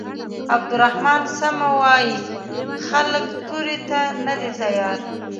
عبدالرحمن سمه وايي خلک تورې ته نه دي تيار.